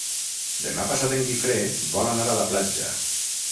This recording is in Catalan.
Demà passat en Guifré vol anar a la platja.